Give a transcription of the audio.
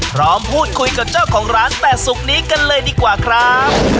พร้อมพูดคุยกับเจ้าของร้านแต่ศุกร์นี้กันเลยดีกว่าครับ